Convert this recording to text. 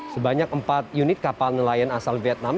sebanyak empat unit kapal nelayan asal vietnam